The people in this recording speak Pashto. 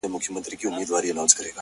په مټي چي خان وكړی خرابات په دغه ښار كي؛